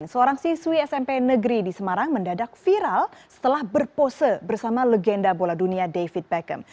seorang siswi smp negeri di semarang mendadak viral setelah berpose bersama legenda bola dunia david beckham